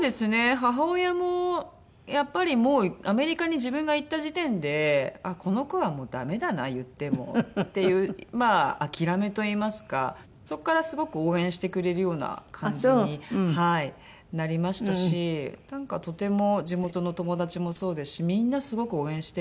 母親もやっぱりもうアメリカに自分が行った時点でこの子はもうダメだな言ってもっていう諦めといいますかそこからすごく応援してくれるような感じになりましたしなんかとても地元の友達もそうですしみんなすごく応援してくれましたね。